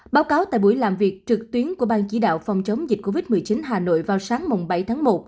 báo cáo tại buổi làm việc trực tuyến của bang chỉ đạo phòng chống dịch covid một mươi chín hà nội vào sáng bảy tháng một